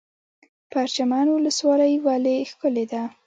پرچمن ولسوالۍ ولې ښکلې ده؟